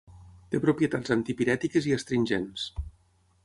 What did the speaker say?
Té propietats antipirètiques i astringents.